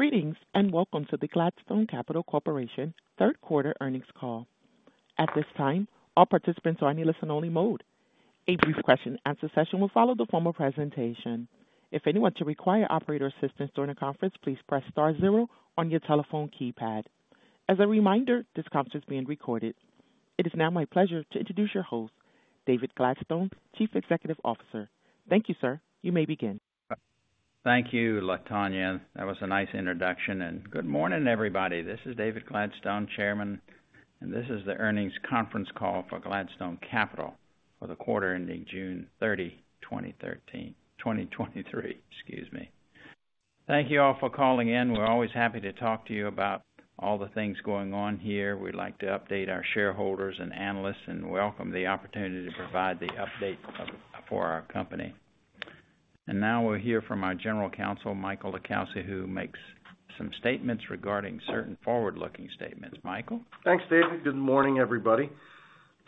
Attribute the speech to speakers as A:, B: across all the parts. A: Greetings, welcome to the Gladstone Capital Corporation Third Quarter Earnings Call. At this time, all participants are in listen-only mode. A brief question-and-answer session will follow the formal presentation. If anyone should require operator assistance during the conference, please press star zero on your telephone keypad. As a reminder, this conference is being recorded. It is now my pleasure to introduce your host, David Gladstone, Chief Executive Officer. Thank you, sir. You may begin.
B: Thank you, Latonya. That was a nice introduction. Good morning, everybody. This is David Gladstone, Chairman, this is the earnings conference call for Gladstone Capital for the quarter ending June 30, 2013... 2023. Excuse me. Thank you all for calling in. We're always happy to talk to you about all the things going on here. We'd like to update our shareholders and analysts and welcome the opportunity to provide the update of, for our company. Now we'll hear from our General Counsel, Michael LiCalsi, who makes some statements regarding certain forward-looking statements. Michael?
C: Thanks, David. Good morning, everybody.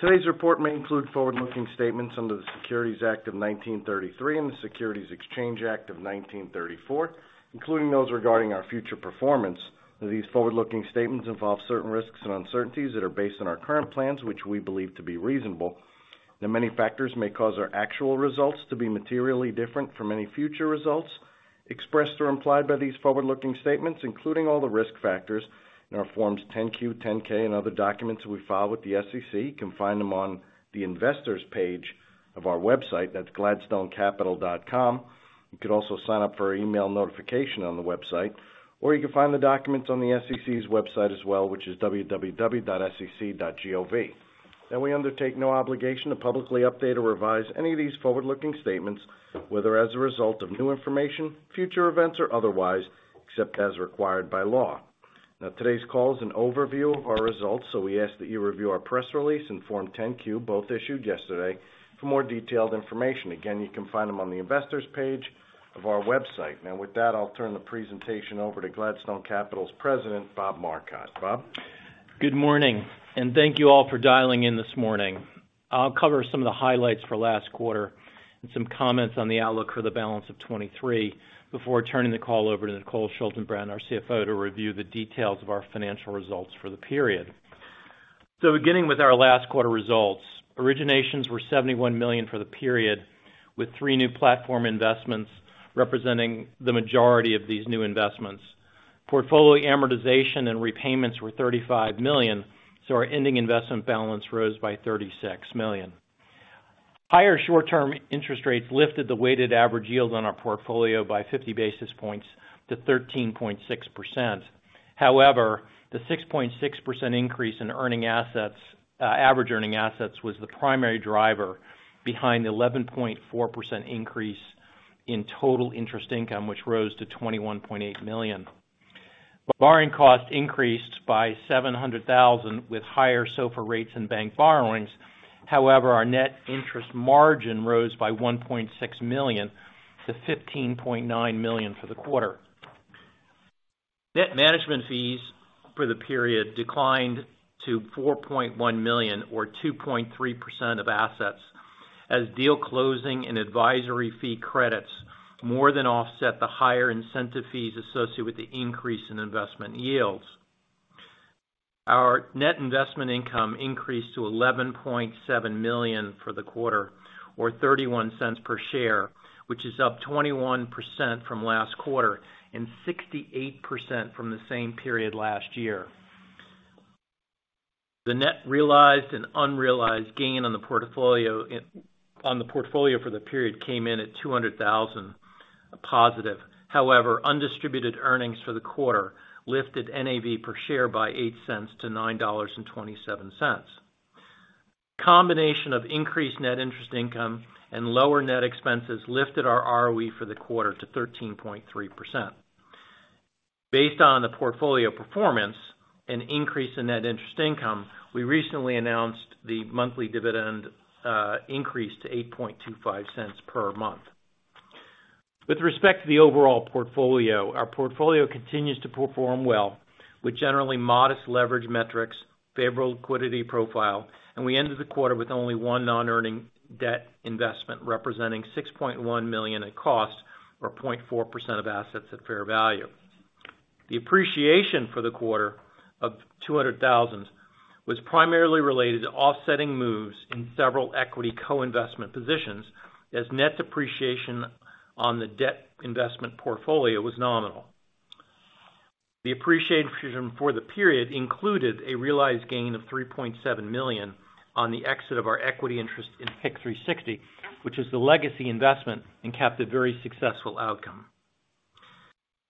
C: Today's report may include forward-looking statements under the Securities Act of 1933 and the Securities Exchange Act of 1934, including those regarding our future performance. These forward-looking statements involve certain risks and uncertainties that are based on our current plans, which we believe to be reasonable. Many factors may cause our actual results to be materially different from any future results expressed or implied by these forward-looking statements, including all the risk factors in our Forms 10-Q, 10-K and other documents that we file with the SEC. You can find them on the Investors page of our website. That's gladstonecapital.com. You could also sign up for an email notification on the website, or you can find the documents on the SEC's website as well, which is www.sec.gov. We undertake no obligation to publicly update or revise any of these forward-looking statements, whether as a result of new information, future events, or otherwise, except as required by law. Today's call is an overview of our results, so we ask that you review our press release in Form 10-Q, both issued yesterday, for more detailed information. You can find them on the Investors page of our website. With that, I'll turn the presentation over to Gladstone Capital's President, Bob Marcotte. Bob?
D: Good morning, and thank you all for dialing in this morning. I'll cover some of the highlights for last quarter and some comments on the outlook for the balance of 2023, before turning the call over to Nicole Schaltenbrand, our CFO, to review the details of our financial results for the period. Beginning with our last quarter results, originations were $71 million for the period, with three new platform investments representing the majority of these new investments. Portfolio amortization and repayments were $35 million, so our ending investment balance rose by $36 million. Higher short-term interest rates lifted the weighted average yield on our portfolio by 50 basis points to 13.6%. The 6.6% increase in earning assets, average earning assets, was the primary driver behind the 11.4% increase in total interest income, which rose to $21.8 million. Borrowing costs increased by $700,000, with higher SOFR rates and bank borrowings. Our net interest margin rose by $1.6 million-$15.9 million for the quarter. Net management fees for the period declined to $4.1 million, or 2.3% of assets, as deal closing and advisory fee credits more than offset the higher incentive fees associated with the increase in investment yields. Our net investment income increased to $11.7 million for the quarter, or $0.31 per share, which is up 21% from last quarter and 68% from the same period last year. The net realized and unrealized gain on the portfolio for the period came in at $200,000, a positive. However, undistributed earnings for the quarter lifted NAV per share by $0.08-$9.27. Combination of increased Net Interest Income and lower net expenses lifted our ROE for the quarter to 13.3%. Based on the portfolio performance and increase in Net Interest Income, we recently announced the monthly dividend increase to $0.0825 per month. With respect to the overall portfolio, our portfolio continues to perform well, with generally modest leverage metrics, favorable liquidity profile, and we ended the quarter with only one non-earning debt investment, representing $6.1 million in cost, or 0.4% of assets at fair value. The appreciation for the quarter of $200,000 was primarily related to offsetting moves in several equity co-investment positions, as net depreciation on the debt investment portfolio was nominal. The appreciation for the period included a realized gain of $3.7 million on the exit of our equity interest in PIC 360, which is the legacy investment and capped a very successful outcome.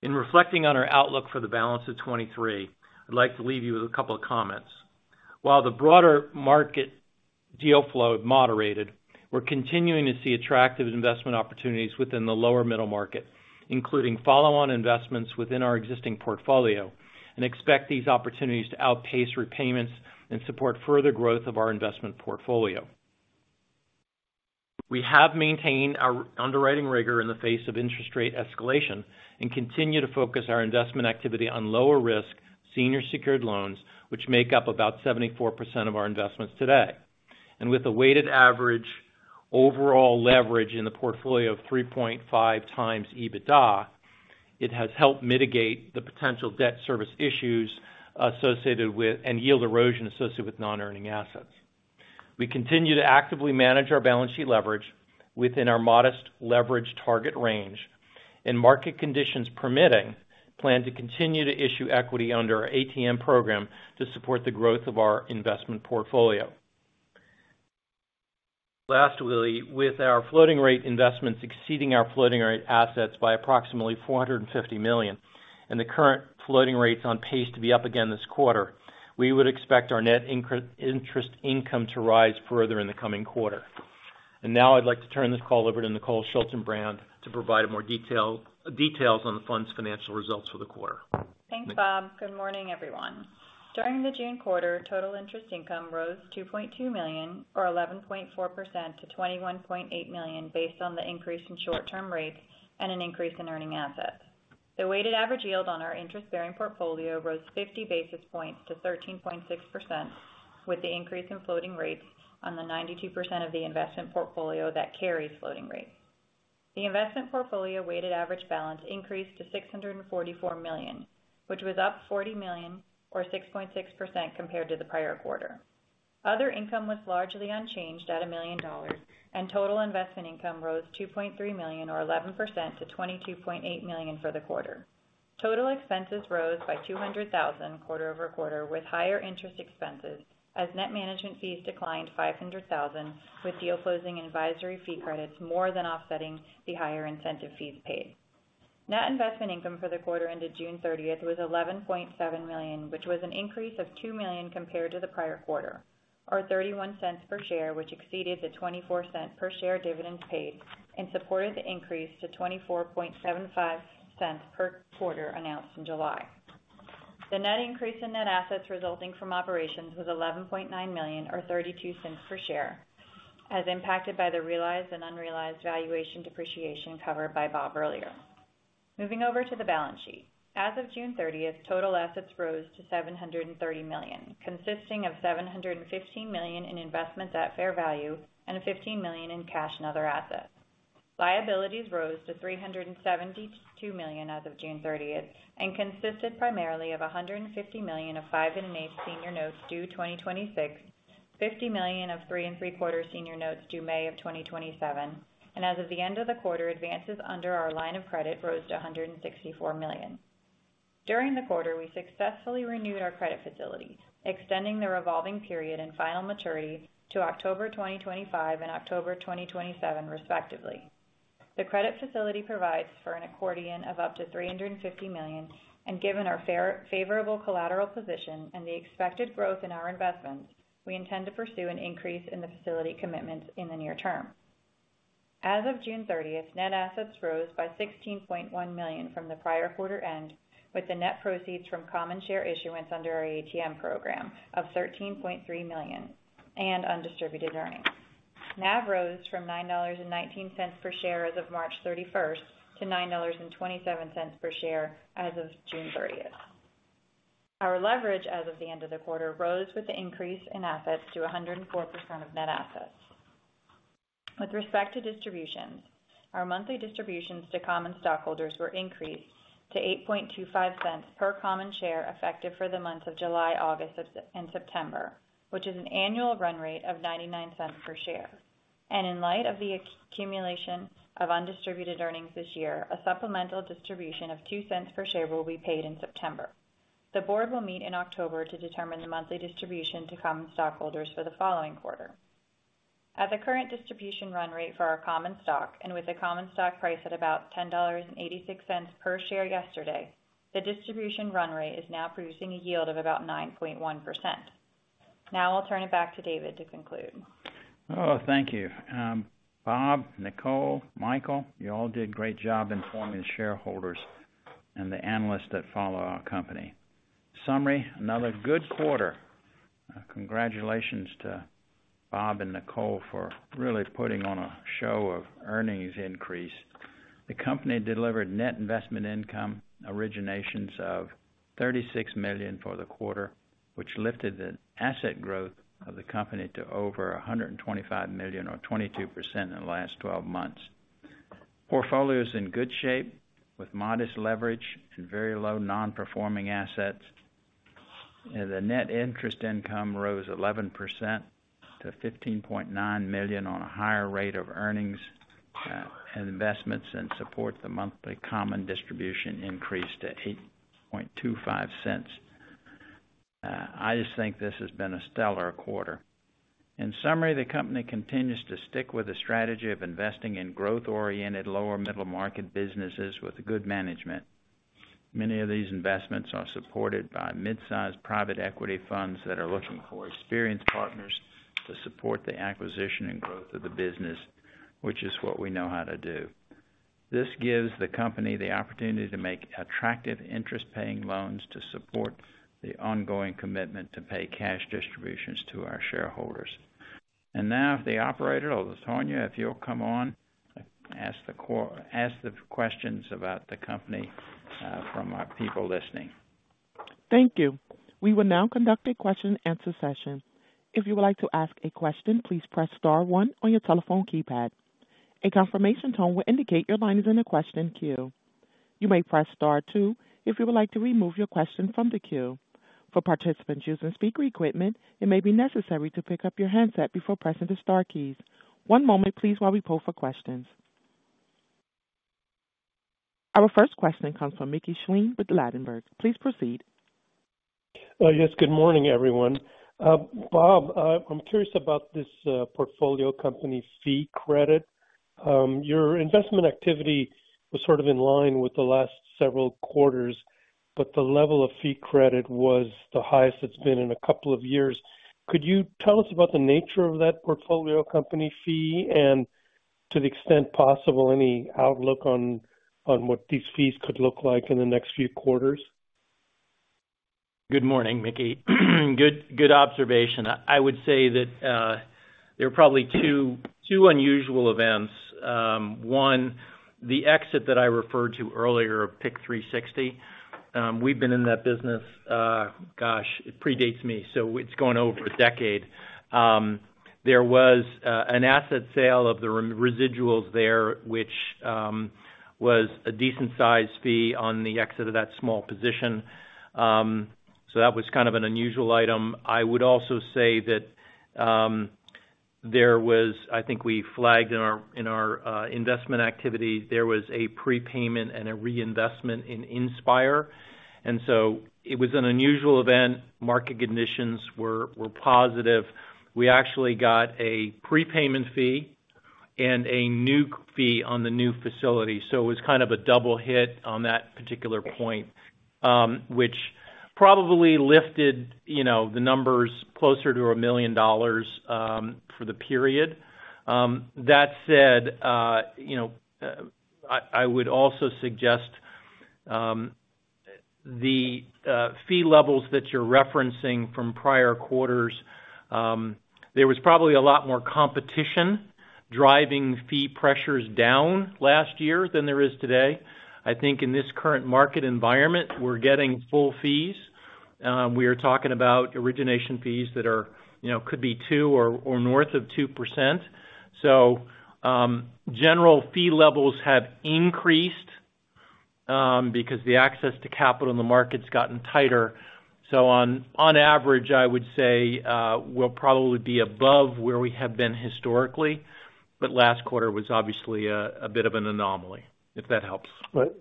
D: In reflecting on our outlook for the balance of 2023, I'd like to leave you with a couple of comments. While the broader market deal flow have moderated, we're continuing to see attractive investment opportunities within the lower middle market, including follow-on investments within our existing portfolio, and expect these opportunities to outpace repayments and support further growth of our investment portfolio. We have maintained our underwriting rigor in the face of interest rate escalation and continue to focus our investment activity on lower-risk, senior secured loans, which make up about 74% of our investments today. With a weighted average overall leverage in the portfolio of 3.5x EBITDA, it has helped mitigate the potential debt service issues associated with and yield erosion associated with non-earning assets. We continue to actively manage our balance sheet leverage within our modest leverage target range, and market conditions permitting, plan to continue to issue equity under our ATM program to support the growth of our investment portfolio. Lastly, with our floating rate investments exceeding our floating rate assets by approximately $450 million, the current floating rates on pace to be up again this quarter, we would expect our Net Interest Income to rise further in the coming quarter. Now I'd like to turn this call over to Nicole Schaltenbrand to provide more details on the fund's financial results for the quarter.
E: Thanks, Bob. Good morning, everyone. During the June quarter, total interest income rose $2.2 million, or 11.4% to $21.8 million, based on the increase in short-term rates and an increase in earning assets. The weighted average yield on our interest-bearing portfolio rose 50 basis points to 13.6%, with the increase in floating rates on the 92% of the investment portfolio that carries floating rate. The investment portfolio weighted average balance increased to $644 million, which was up $40 million or 6.6% compared to the prior quarter. Other income was largely unchanged at $1 million, total investment income rose $2.3 million, or 11% to $22.8 million for the quarter. Total expenses rose by $200,000 quarter-over-quarter, with higher interest expenses as net management fees declined $500,000, with deal closing and advisory fee credits more than offsetting the higher incentive fees paid. Net investment income for the quarter ended June 30th, was $11.7 million, which was an increase of $2 million compared to the prior quarter, or $0.31 per share, which exceeded the $0.24 per share dividends paid and supported the increase to $0.2475 per quarter announced in July. The net increase in net assets resulting from operations was $11.9 million, or $0.32 per share, as impacted by the realized and unrealized valuation depreciation covered by Bob earlier. Moving over to the balance sheet. As of June 30th, total assets rose to $730 million, consisting of $715 million in investments at fair value and $15 million in cash and other assets. Liabilities rose to $372 million as of June 30th, consisted primarily of $150 million of 5 and 8 Senior Notes due 2026, $50 million of 3 and 3 quarter Senior Notes due May of 2027, and as of the end of the quarter, advances under our line of credit rose to $164 million. During the quarter, we successfully renewed our credit facilities, extending the revolving period and final maturity to October 2025 and October 2027, respectively. The credit facility provides for an accordion of up to $350 million. Given our favorable collateral position and the expected growth in our investments, we intend to pursue an increase in the facility commitments in the near term. As of June 30th, net assets rose by $16.1 million from the prior quarter end, with the net proceeds from common share issuance under our ATM program of $13.3 million and undistributed earnings. NAV rose from $9.19 per share as of March 31st, to $9.27 per share as of June 30th. Our leverage as of the end of the quarter, rose with the increase in assets to 104% of net assets. With respect to distributions, our monthly distributions to common stockholders were increased to $0.0825 per common share, effective for the months of July, August, and September, which is an annual run rate of $0.99 per share. In light of the accumulation of undistributed earnings this year, a supplemental distribution of $0.02 per share will be paid in September. The board will meet in October to determine the monthly distribution to common stockholders for the following quarter. At the current distribution run rate for our common stock, and with a common stock price at about $10.86 per share yesterday, the distribution run rate is now producing a yield of about 9.1%. I'll turn it back to David to conclude.
B: Thank you. Bob, Nicole, Michael, you all did a great job informing the shareholders and the analysts that follow our company. Summary, another good quarter. Congratulations to Bob and Nicole for really putting on a show of earnings increase. The company delivered net investment income originations of $36 million for the quarter, which lifted the asset growth of the company to over $125 million or 22% in the last 12 months. Portfolio is in good shape, with modest leverage and very low non-performing assets. The net interest income rose 11% to $15.9 million on a higher rate of earnings and investments, and support the monthly common distribution increase to $0.0825. I just think this has been a stellar quarter. In summary, the company continues to stick with the strategy of investing in growth-oriented, lower middle-market businesses with good management. Many of these investments are supported by mid-sized private equity funds that are looking for experienced partners to support the acquisition and growth of the business, which is what we know how to do. This gives the company the opportunity to make attractive interest-paying loans to support the ongoing commitment to pay cash distributions to our shareholders. Now, if the Operator or Latonya, if you'll come on, ask the questions about the company, from our people listening.
A: Thank you. We will now conduct a question-and-answer session. If you would like to ask a question, please press star one on your telephone keypad. A confirmation tone will indicate your line is in the question queue. You may press star two if you would like to remove your question from the queue. For participants using speaker equipment, it may be necessary to pick up your handset before pressing the star keys. One moment, please, while we poll for questions. Our first question comes from Mickey Schleien with Ladenburg. Please proceed.
F: Yes, good morning, everyone. Bob, I'm curious about this portfolio company fee credit. Your investment activity was sort of in line with the last several quarters, but the level of fee credit was the highest it's been in two years. Could you tell us about the nature of that portfolio company fee, and to the extent possible, any outlook on what these fees could look like in the next few quarters?
D: Good morning, Mickey. Good observation. I would say that there are probably two unusual events. One, the exit that I referred to earlier, PIC 360. We've been in that business, gosh, it predates me, so it's going over a decade. There was an asset sale of the residuals there, which was a decent sized fee on the exit of that small position. That was kind of an unusual item. I would also say that I think we flagged in our investment activity, there was a prepayment and a reinvestment in Inspire, it was an unusual event. Market conditions were positive. We actually got a prepayment fee and a new fee on the new facility. It was kind of a double hit on that particular point, which probably lifted, you know, the numbers closer to $1 million for the period. That said, you know, I, I would also suggest the fee levels that you're referencing from prior quarters, there was probably a lot more competition driving fee pressures down last year than there is today. I think in this current market environment, we're getting full fees. We are talking about origination fees that are, you know, could be 2% or north of 2%. General fee levels have increased because the access to capital in the market's gotten tighter. On average, I would say, we'll probably be above where we have been historically, but last quarter was obviously a bit of an anomaly, if that helps.
F: Right.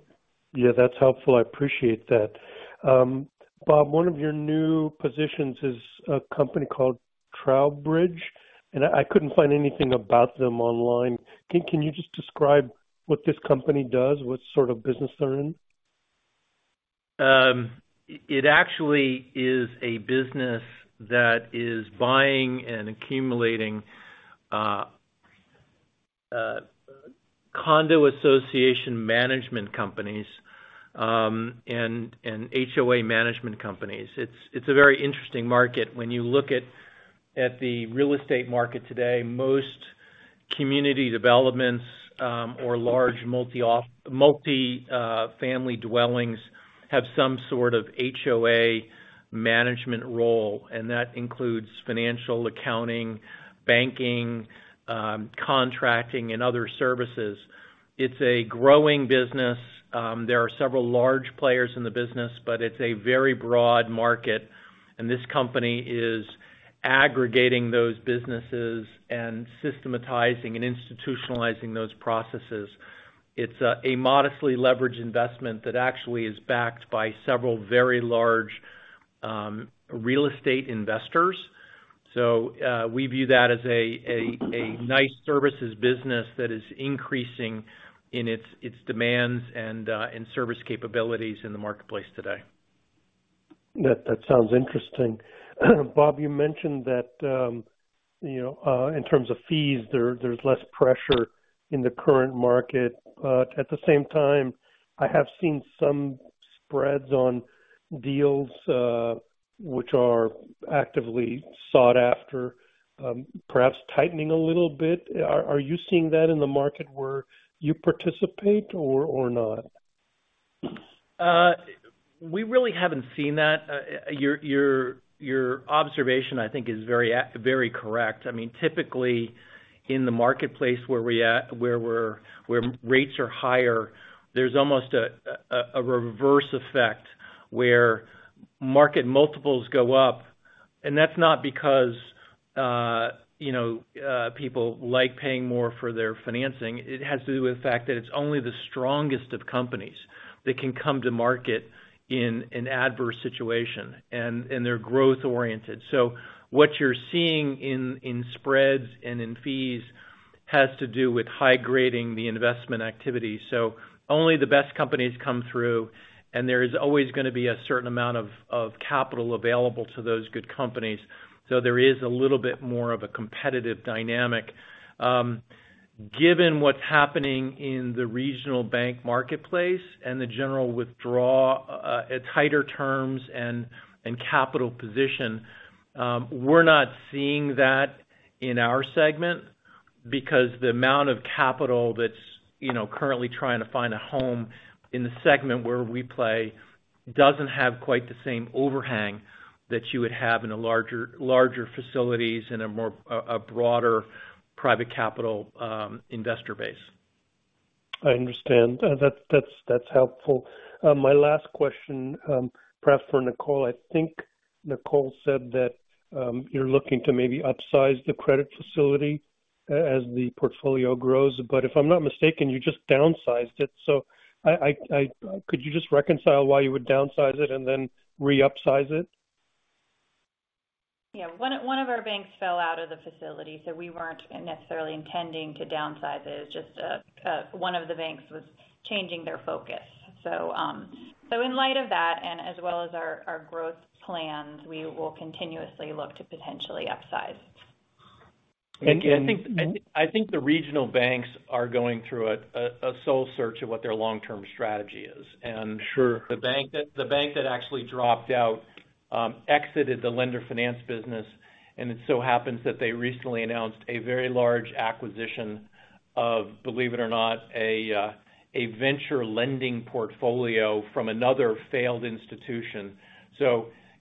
F: Yeah, that's helpful. I appreciate that. Bob, one of your new positions is a company called Trout Bridge, and I couldn't find anything about them online. Can you just describe what this company does? What sort of business they're in?
D: It actually is a business that is buying and accumulating condo association management companies, HOA management companies. It's a very interesting market. When you look at the real estate market today, most community developments, or large multi-family dwellings, have some sort of HOA management role, and that includes financial accounting, banking, contracting, and other services. It's a growing business. There are several large players in the business, but it's a very broad market, and this company is aggregating those businesses and systematizing and institutionalizing those processes. It's a modestly leveraged investment that actually is backed by several very large real estate investors. We view that as a nice services business that is increasing in its demands and service capabilities in the marketplace today.
F: That sounds interesting. Bob, you mentioned that, you know, in terms of fees, there's less pressure in the current market. At the same time, I have seen some spreads on deals, which are actively sought after, perhaps tightening a little bit. Are you seeing that in the market where you participate or not?
D: We really haven't seen that. Your observation, I think is very correct. I mean, typically, in the marketplace where rates are higher, there's almost a reverse effect, where market multiples go up. That's not because, you know, people like paying more for their financing. It has to do with the fact that it's only the strongest of companies that can come to market in an adverse situation, and they're growth-oriented. What you're seeing in spreads and in fees has to do with high grading the investment activity. Only the best companies come through, and there is always gonna be a certain amount of capital available to those good companies. There is a little bit more of a competitive dynamic. Given what's happening in the regional bank marketplace and the general withdraw, at tighter terms and capital position, we're not seeing that in our segment, because the amount of capital that's, you know, currently trying to find a home in the segment where we play, doesn't have quite the same overhang that you would have in a larger facilities and a more, a broader private capital, investor base.
F: I understand. That's helpful. My last question, perhaps for Nicole. I think Nicole said that, you're looking to maybe upsize the credit facility, as the portfolio grows. If I'm not mistaken, you just downsized it. I could you just reconcile why you would downsize it and then re-upsize it?
E: Yeah. One of our banks fell out of the facility, so we weren't necessarily intending to downsize it. It was just one of the banks was changing their focus. In light of that, and as well as our growth plans, we will continuously look to potentially upsize.
D: I think the regional banks are going through a soul search of what their long-term strategy is.
F: Sure.
D: The bank that actually dropped out, exited the lender finance business, it so happens that they recently announced a very large acquisition of, believe it or not, a venture lending portfolio from another failed institution.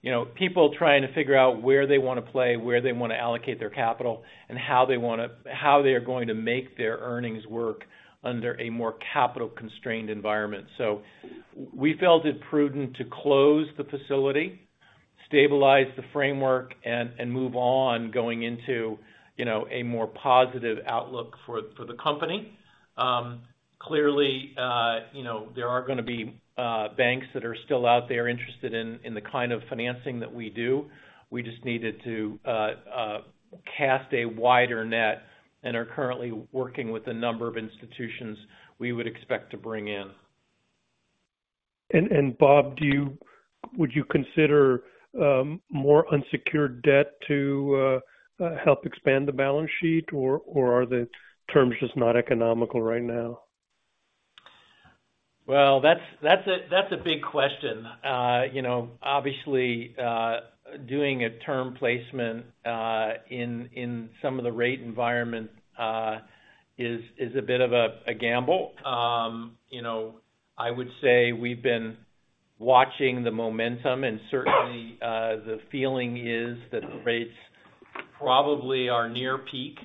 D: you know, people trying to figure out where they wanna play, where they wanna allocate their capital, and how they are going to make their earnings work under a more capital-constrained environment. we felt it prudent to close the facility, stabilize the framework, and move on, going into, you know, a more positive outlook for the company. Clearly, you know, there are gonna be banks that are still out there interested in the kind of financing that we do. We just needed to cast a wider net and are currently working with a number of institutions we would expect to bring in.
F: Bob, would you consider more unsecured debt to help expand the balance sheet, or are the terms just not economical right now?
D: Well, that's a big question. You know, obviously, doing a term placement in some of the rate environment is a bit of a gamble. You know, I would say we've been watching the momentum, and certainly, the feeling is that the rates probably are near peak.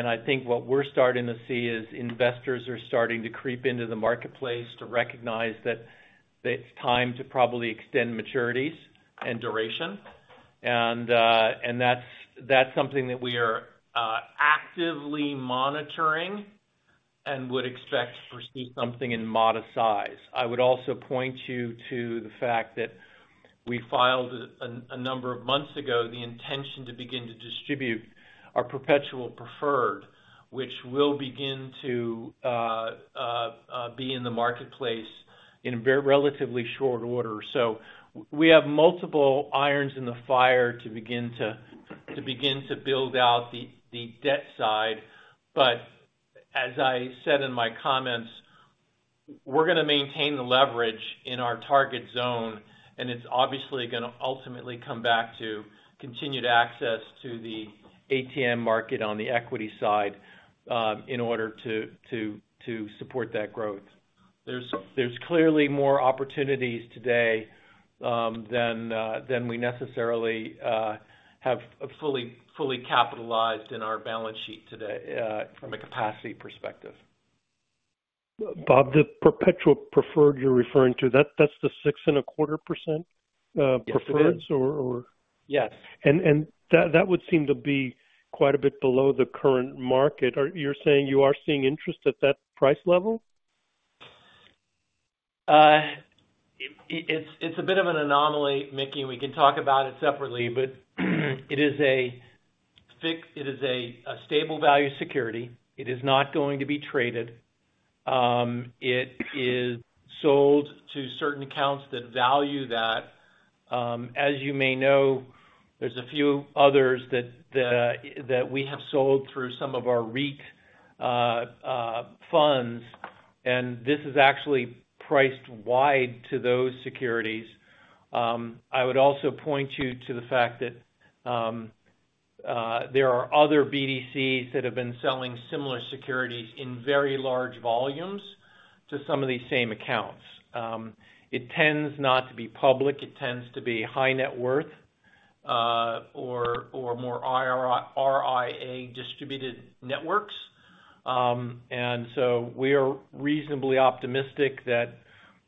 D: I think what we're starting to see is investors are starting to creep into the marketplace to recognize that it's time to probably extend maturities and duration. That's something that we are actively monitoring and would expect to see something in modest size. I would also point you to the fact that we filed a number of months ago, the intention to begin to distribute our perpetual preferred, which will begin to be in the marketplace in a very relatively short order. We have multiple irons in the fire to begin to build out the debt side. As I said in my comments, we're gonna maintain the leverage in our target zone, and it's obviously gonna ultimately come back to continued access to the ATM market on the equity side, in order to support that growth. There's clearly more opportunities today than we necessarily have fully capitalized in our balance sheet today from a capacity perspective.
F: Bob, the perpetual preferred you're referring to, that's the 6.25% preferred?
D: Yes, it is.
F: Or, or...
D: Yes.
F: That would seem to be quite a bit below the current market. You're saying you are seeing interest at that price level?
D: It's a bit of an anomaly, Mickey. We can talk about it separately, but it is a stable value security. It is not going to be traded. It is sold to certain accounts that value that. As you may know, there's a few others that we have sold through some of our REIT funds. This is actually priced wide to those securities. I would also point you to the fact that there are other BDCs that have been selling similar securities in very large volumes to some of these same accounts. It tends not to be public. It tends to be high net worth or more RIA distributed networks. We are reasonably optimistic that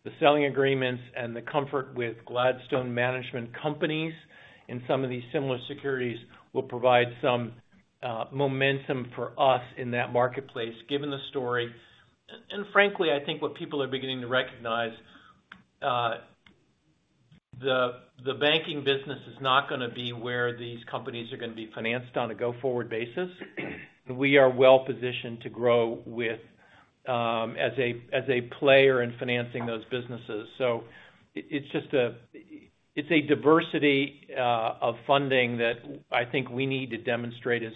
D: the selling agreements and the comfort with Gladstone Management Corporation in some of these similar securities, will provide some momentum for us in that marketplace, given the story. Frankly, I think what people are beginning to recognize, the banking business is not gonna be where these companies are gonna be financed on a go-forward basis. We are well positioned to grow with as a player in financing those businesses. It's just a, it's a diversity of funding that I think we need to demonstrate as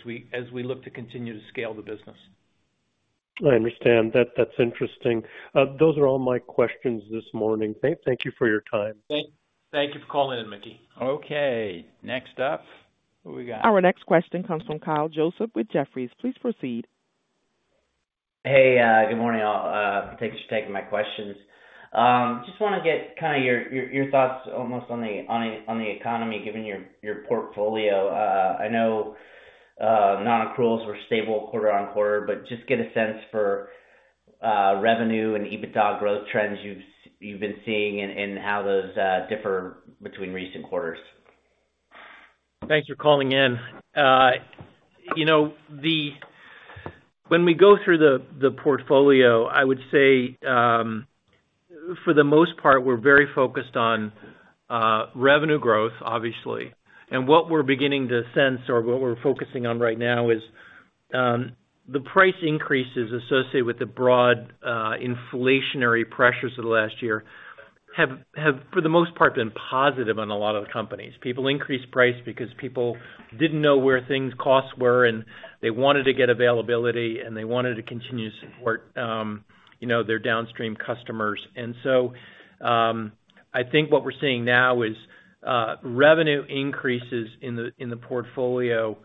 D: we look to continue to scale the business.
F: I understand. That's interesting. Those are all my questions this morning. Thank you for your time.
D: Thank you for calling in, Mickey.
B: Next up. Who we got?
A: Our next question comes from Kyle Joseph with Jefferies. Please proceed.
G: Hey, good morning all. Thank you for taking my questions. Just wanna get kind of your thoughts almost on the economy, given your portfolio. I know, non-accruals were stable quarter-over-quarter, but just get a sense for revenue and EBITDA growth trends you've been seeing and how those differ between recent quarters.
D: Thanks for calling in. You know, when we go through the portfolio, I would say, for the most part, we're very focused on revenue growth, obviously. What we're beginning to sense or what we're focusing on right now is, the price increases associated with the broad inflationary pressures of the last year, have for the most part, been positive on a lot of the companies. People increased price because people didn't know where things costs were, and they wanted to get availability, and they wanted to continue to support, you know, their downstream customers. I think what we're seeing now is, revenue increases in the portfolio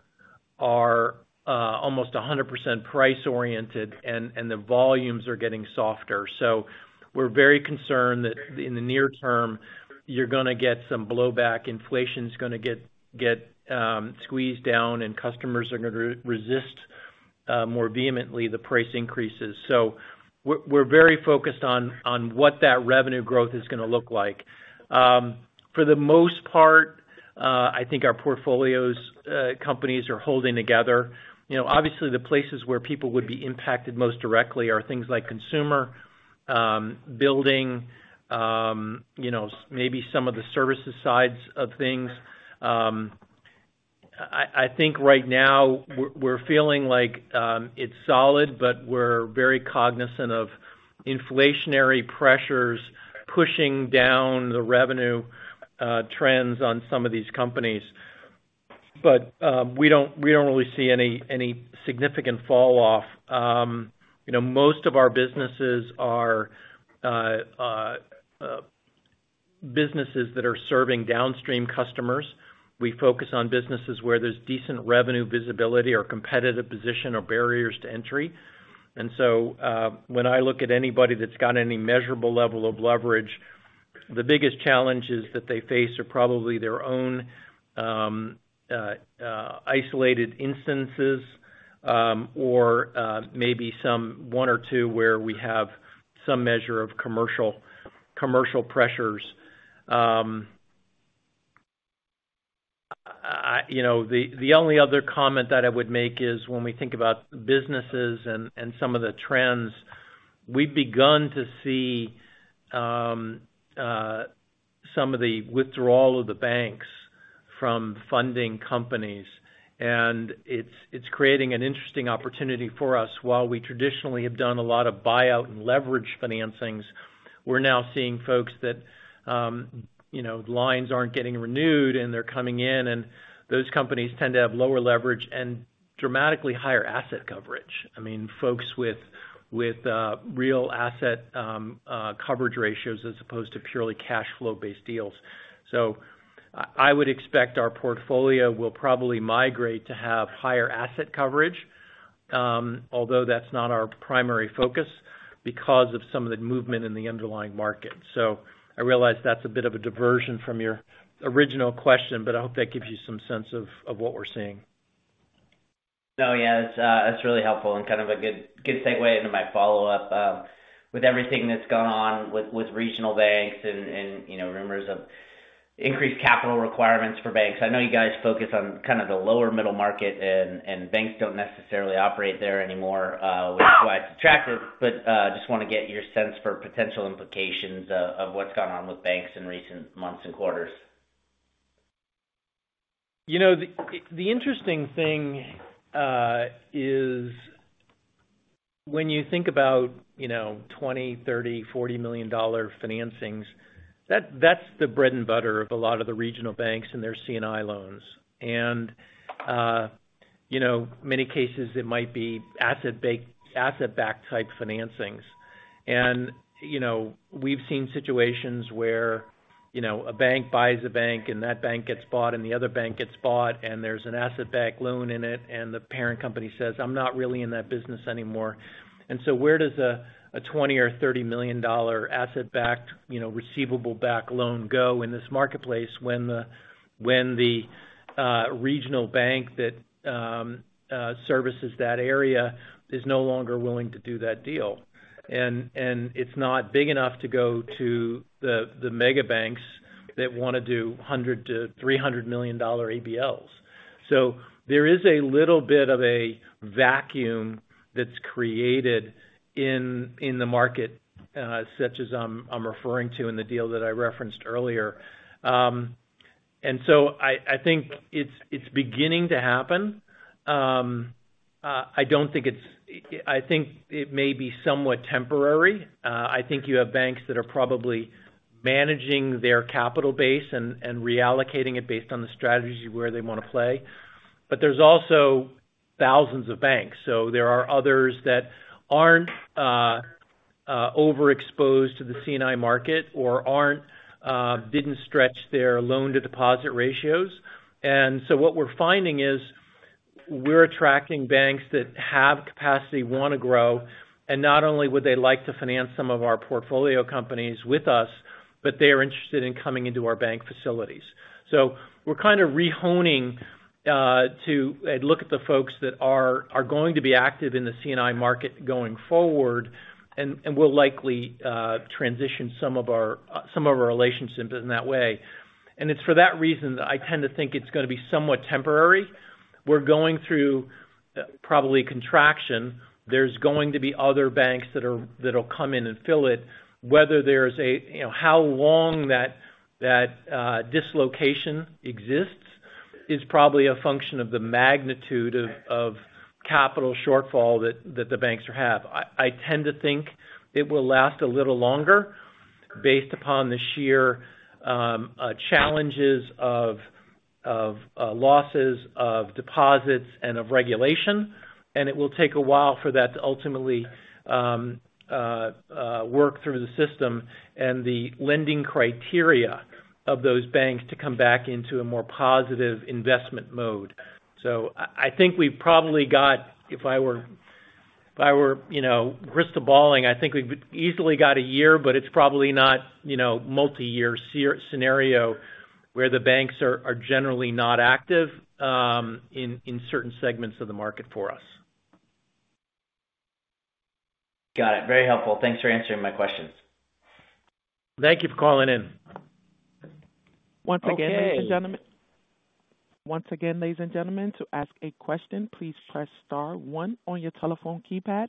D: are almost 100% price-oriented, the volumes are getting softer. We're very concerned that in the near term, you're gonna get some blowback, inflation's gonna get squeezed down, and customers are gonna resist, more vehemently the price increases. We're very focused on what that revenue growth is gonna look like. For the most part, I think our portfolios, companies are holding together. You know, obviously, the places where people would be impacted most directly are things like consumer, building, you know, maybe some of the services sides of things. I think right now, we're feeling like, it's solid, but we're very cognizant of inflationary pressures pushing down the revenue, trends on some of these companies. We don't really see any significant falloff. You know, most of our businesses are businesses that are serving downstream customers. We focus on businesses where there's decent revenue visibility, or competitive position, or barriers to entry. When I look at anybody that's got any measurable level of leverage, the biggest challenges that they face are probably their own isolated instances, or maybe some one or two where we have some measure of commercial pressures. You know, the only other comment that I would make is, when we think about businesses and some of the trends, we've begun to see some of the withdrawal of the banks from funding companies, and it's creating an interesting opportunity for us. While we traditionally have done a lot of buyout and leverage financings, we're now seeing folks that, you know, lines aren't getting renewed, and they're coming in, and those companies tend to have lower leverage and dramatically higher asset coverage. I mean, folks with real asset coverage ratios as opposed to purely cash flow-based deals. I would expect our portfolio will probably migrate to have higher asset coverage, although that's not our primary focus, because of some of the movement in the underlying market. I realize that's a bit of a diversion from your original question, but I hope that gives you some sense of what we're seeing.
G: No, yeah, that's really helpful and kind of a good segue into my follow-up. With everything that's gone on with regional banks and, you know, rumors of increased capital requirements for banks, I know you guys focus on kind of the lower middle market, and banks don't necessarily operate there anymore, which is why it's attractive. Just wanna get your sense for potential implications of what's gone on with banks in recent months and quarters?
D: You know, the interesting thing is when you think about, you know, $20 million, $30 million, $40 million financings, that's the bread and butter of a lot of the regional banks and their C&I loans. You know, many cases it might be asset-backed type financings. You know, we've seen situations where, you know, a bank buys a bank, and that bank gets bought, and the other bank gets bought, and there's an asset-backed loan in it, and the parent company says, "I'm not really in that business anymore." Where does a $20 million or $30 million asset-backed, you know, receivable backed loan go in this marketplace, when the, when the regional bank that services that area is no longer willing to do that deal? It's not big enough to go to the mega banks that wanna do $100 million-$300 million ABLs. There is a little bit of a vacuum that's created in the market, such as, I'm referring to in the deal that I referenced earlier. I think it's beginning to happen. I think it may be somewhat temporary. I think you have banks that are probably managing their capital base and reallocating it based on the strategy where they wanna play. There's also thousands of banks, so there are others that aren't overexposed to the C&I market or aren't didn't stretch their loan-to-deposit ratios. What we're finding is, we're attracting banks that have capacity, want to grow, and not only would they like to finance some of our portfolio companies with us, but they are interested in coming into our bank facilities. We're kind of re-honing to look at the folks that are going to be active in the C&I market going forward, and we'll likely transition some of our some of our relationships in that way. It's for that reason that I tend to think it's gonna be somewhat temporary. We're going through probably contraction. There's going to be other banks that'll come in and fill it. Whether there's a, you know, how long that dislocation exists, is probably a function of the magnitude of capital shortfall that the banks have. I tend to think it will last a little longer based upon the sheer challenges of losses of deposits and of regulation, and it will take a while for that to ultimately work through the system and the lending criteria of those banks to come back into a more positive investment mode. I think we've probably got. If I were, you know, crystal balling, I think we've easily got a year, but it's probably not, you know, multi-year scenario, where the banks are generally not active in certain segments of the market for us.
G: Got it. Very helpful. Thanks for answering my questions.
D: Thank you for calling in.
A: Once again, ladies, and gentlemen.
D: Okay.
A: Once again, ladies and gentlemen, to ask a question, please press star one on your telephone keypad.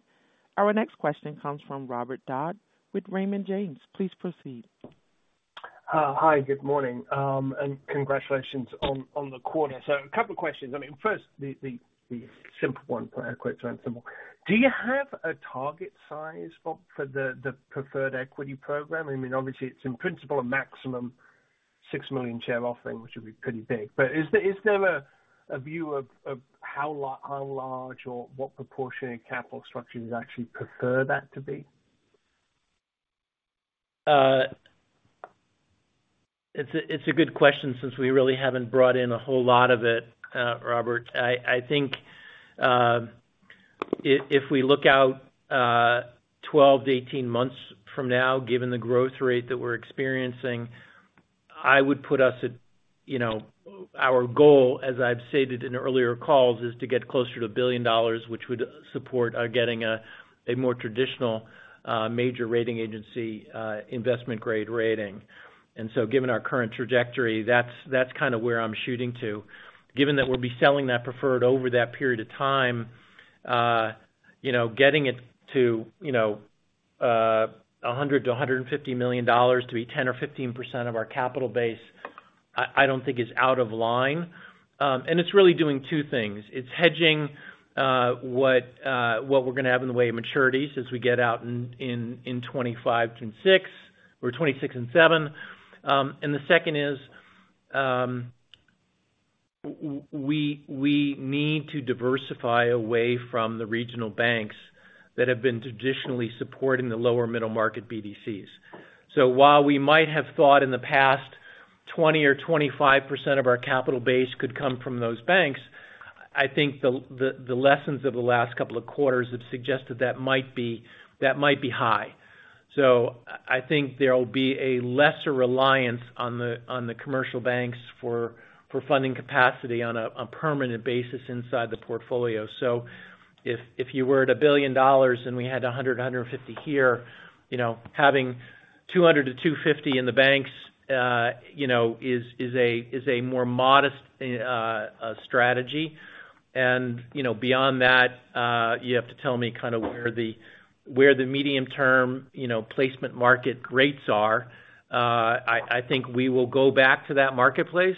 A: Our next question comes from Robert Dodd with Raymond James. Please proceed.
H: Hi, good morning, and congratulations on the quarter. A couple of questions. I mean, first, the simple one, quick and simple: Do you have a target size, Bob, for the preferred equity program? I mean, obviously, it's in principle, a maximum 6 million share offering, which would be pretty big. Is there a view of how large or what proportion of capital structure you'd actually prefer that to be?
D: It's a, it's a good question since we really haven't brought in a whole lot of it, Robert. I, I think, if we look out, 12 to 18 months from now, given the growth rate that we're experiencing, I would put us at, you know. Our goal, as I've stated in earlier calls, is to get closer to $1 billion, which would support, getting a, a more traditional, major rating agency, investment-grade rating. Given our current trajectory, that's kind of where I'm shooting to. Given that we'll be selling that preferred over that period of time, you know, getting it to, you know, $100 million-$150 million to be 10% or 15% of our capital base, I, I don't think is out of line. It's really doing two things. It's hedging what we're gonna have in the way of maturities as we get out in 2025, 2026 or 2026 and 2027. The second is, we need to diversify away from the regional banks that have been traditionally supporting the lower middle market BDCs. While we might have thought in the past, 20% or 25% of our capital base could come from those banks, I think the lessons of the last couple of quarters have suggested that might be, that might be high. I think there will be a lesser reliance on the commercial banks for funding capacity on a permanent basis inside the portfolio. If you were at $1 billion and we had 150 here, you know, having 200-250 in the banks, you know, is a more modest strategy. You know, beyond that, you have to tell me kind of where the medium-term, you know, placement market rates are. I think we will go back to that marketplace,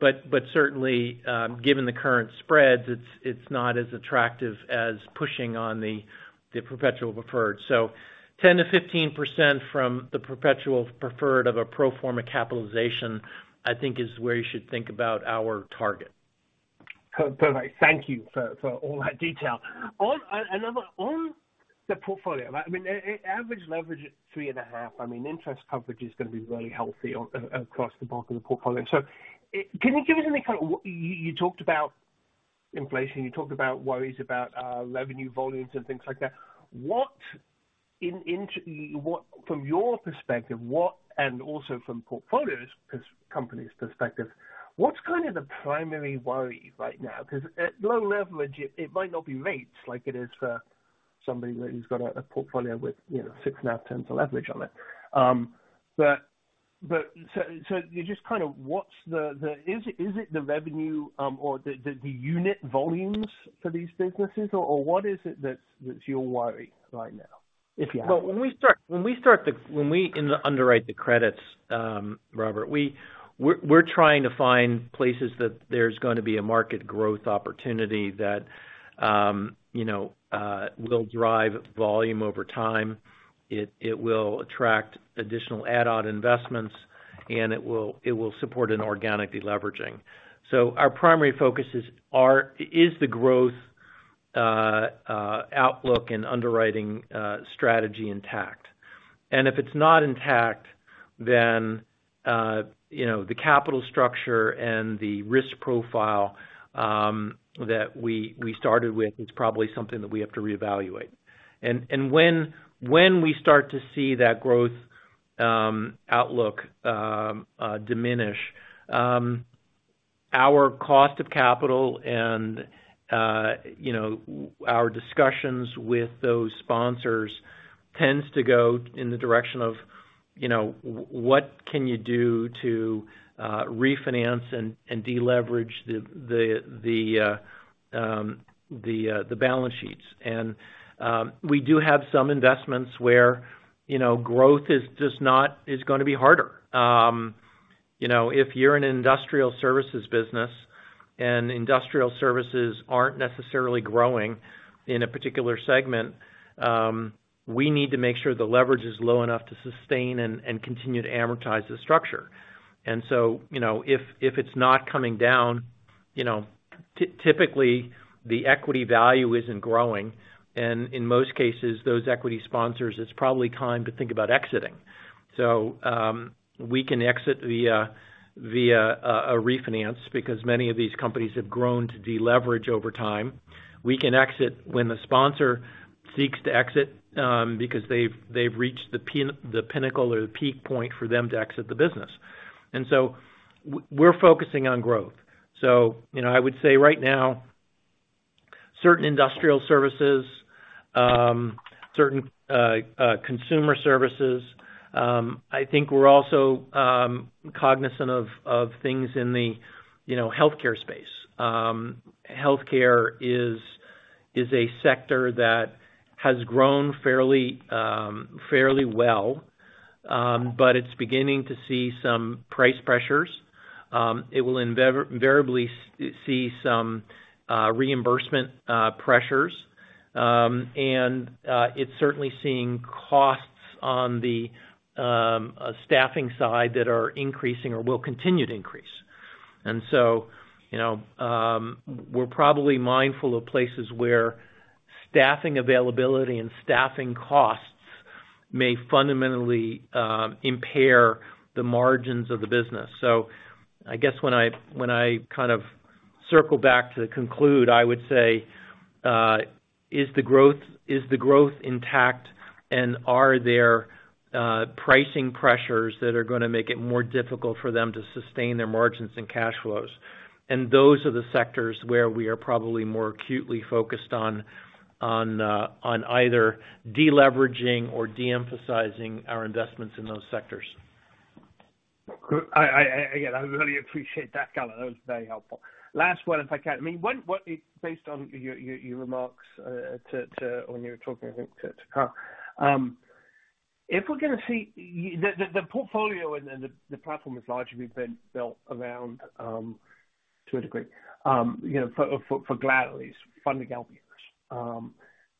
D: but certainly, given the current spreads, it's not as attractive as pushing on the perpetual preferred. 10%-15% from the perpetual preferred of a pro forma capitalization, I think is where you should think about our target.
H: Perfect. Thank you for all that detail. On another, on the portfolio, I mean, average leverage is 3.5. I mean, interest coverage is gonna be really healthy across the bulk of the portfolio. Can you give us any kind of? You talked about inflation, you talked about worries about revenue volumes and things like that. What from your perspective, what? Also from portfolios, company's perspective, what's kind of the primary worry right now? Because at low leverage, it might not be rates like it is for somebody that who's got a portfolio with, you know, 6.5x the leverage on it. You just kind of what's the? Is it the revenue, or the unit volumes for these businesses? Or what is it that's your worry right now, if you have one?
D: Well, when we underwrite the credits, Robert, we're trying to find places that there's gonna be a market growth opportunity that, you know, will drive volume over time. It will attract additional add-on investments. It will support an organic deleveraging. Our primary focus is the growth outlook and underwriting strategy intact? If it's not intact, then, you know, the capital structure and the risk profile that we started with is probably something that we have to reevaluate. When, when we start to see that growth, outlook, diminish, our cost of capital and, you know, our discussions with those sponsors tends to go in the direction of, you know, what can you do to, refinance and deleverage the balance sheets? We do have some investments where, you know, growth is just not gonna be harder. You know, if you're an industrial services business, and industrial services aren't necessarily growing in a particular segment, we need to make sure the leverage is low enough to sustain and, and continue to amortize the structure. You know, if it's not coming down, you know, typically, the equity value isn't growing, and in most cases, those equity sponsors, it's probably time to think about exiting. We can exit via a refinance because many of these companies have grown to deleverage over time. We can exit when the sponsor seeks to exit because they've reached the pinnacle or the peak point for them to exit the business. We're focusing on growth. You know, I would say right now, certain industrial services, certain consumer services, I think we're also cognizant of things in the, you know, healthcare space. Healthcare is a sector that has grown fairly, fairly well, but it's beginning to see some price pressures. It will invariably see some reimbursement pressures. And it's certainly seeing costs on the staffing side that are increasing or will continue to increase. You know, we're probably mindful of places where staffing availability and staffing costs may fundamentally impair the margins of the business. I guess when I kind of circle back to conclude, I would say, is the growth intact, and are there pricing pressures that are gonna make it more difficult for them to sustain their margins and cash flows? Those are the sectors where we are probably more acutely focused on either deleveraging or de-emphasizing our investments in those sectors.
H: Good. I, again, I really appreciate that, color. That was very helpful. Last one, if I can. I mean, what, based on your remarks to when you were talking, I think, to Tushar. If we're gonna see... The portfolio and the platform has largely been built around to a degree, you know, for Gladstone, funding LBOs.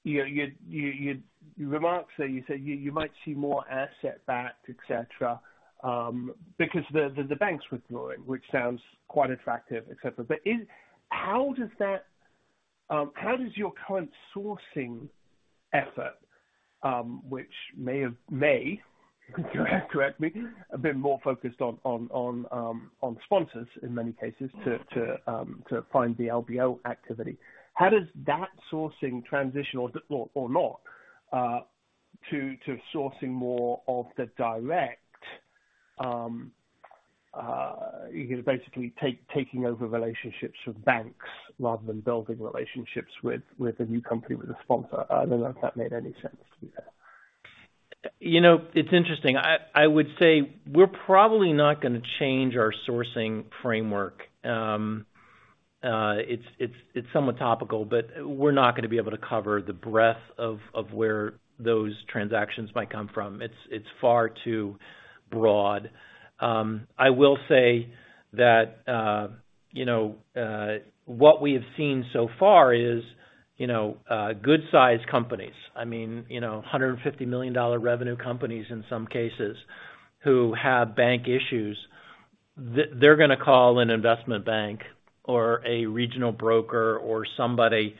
H: You know, your remarks there, you said you might see more asset backed, et cetera, because the bank's withdrawing, which sounds quite attractive, et cetera. How does that, how does your current sourcing effort, which may have, correct me, have been more focused on sponsors, in many cases, to find the LBO activity? How does that sourcing transition or not, to sourcing more of the direct, you can basically taking over relationships with banks rather than building relationships with a new company, with a sponsor? I don't know if that made any sense.
D: You know, it's interesting. I, I would say we're probably not gonna change our sourcing framework. It's, it's, it's somewhat topical, but we're not gonna be able to cover the breadth of where those transactions might come from. It's, it's far too broad. I will say that, you know, what we have seen so far is, you know, good-sized companies. I mean, you know, $150 million revenue companies in some cases who have bank issues, they're gonna call an investment bank or a regional broker or somebody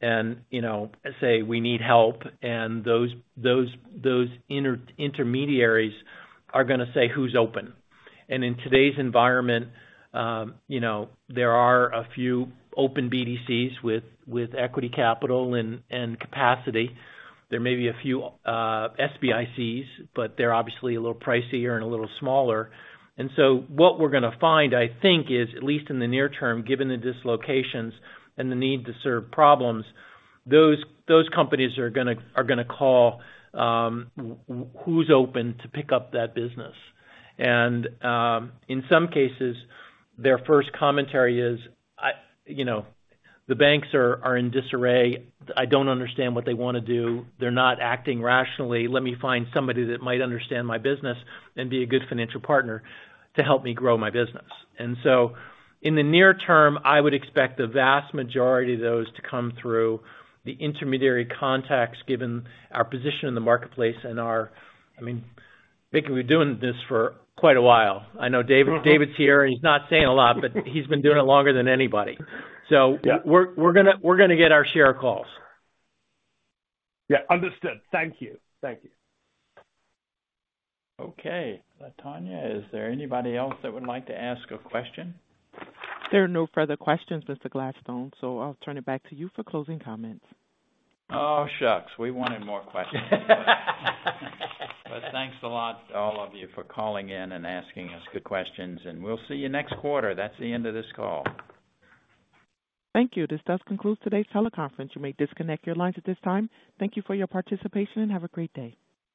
D: and, you know, say, "We need help." Those intermediaries are gonna say, "Who's open?" In today's environment, you know, there are a few open BDCs with equity capital and capacity. There may be a few SBICs, but they're obviously a little pricier and a little smaller. What we're gonna find, I think, is, at least in the near term, given the dislocations and the need to serve problems, those companies are gonna call who's open to pick up that business. In some cases, their first commentary is, you know, "The banks are in disarray. I don't understand what they wanna do. They're not acting rationally. Let me find somebody that might understand my business and be a good financial partner to help me grow my business." In the near term, I would expect the vast majority of those to come through the intermediary contacts, given our position in the marketplace and our... I mean, Mickey, we're doing this for quite a while. I know David.
H: Mm-hmm.
D: David's here, he's not saying a lot, but he's been doing it longer than anybody.
H: Yeah.
D: We're gonna get our share of calls.
H: Yeah, understood. Thank you. Thank you.
B: Latonya, is there anybody else that would like to ask a question?
A: There are no further questions, Mr. Gladstone, so I'll turn it back to you for closing comments.
B: Oh, shucks! We wanted more questions. Thanks a lot, all of you, for calling in and asking us good questions. We'll see you next quarter. That's the end of this call.
A: Thank you. This does conclude today's teleconference. You may disconnect your lines at this time. Thank you for your participation, and have a great day.